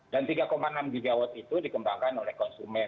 dan tiga enam gigawatt itu dikembangkan oleh konsumen